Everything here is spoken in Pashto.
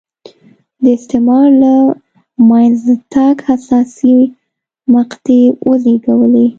د استعمار له منځه تګ حساسې مقطعې وزېږولې.